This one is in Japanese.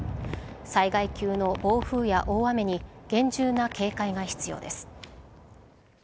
災害級の暴風や大雨に厳重な警戒が必要です。